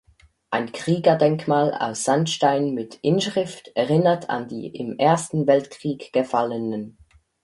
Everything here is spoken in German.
Ein Kriegerdenkmal aus Sandstein mit Inschrift erinnert an die im Ersten Weltkrieg Gefallenen.